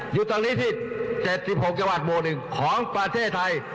หยุดตรงนี้สิ๗๖จังหวัดโมงหนึ่งของประเทศไทย